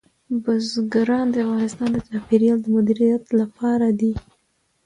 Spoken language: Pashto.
بزګان د افغانستان د چاپیریال د مدیریت لپاره دي.